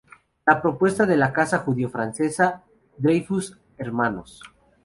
La propuesta de la casa judío-francesa Dreyfus Hnos.